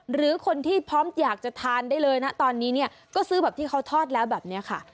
หรือคนที่พร้อมอยากจะทานได้เลยนะตอนนี้เนี่ยก็ซื้อแบบที่เขาทอดแล้วแบบนี้ค่ะ